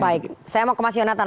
baik saya mau ke mas yonatan